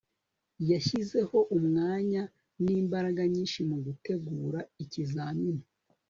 yashyizeho umwanya n'imbaraga nyinshi mugutegura ikizamini